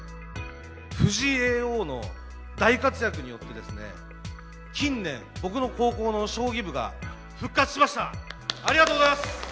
藤井叡王の大活躍によってですね、近年、僕の高校の将棋部が復活しました。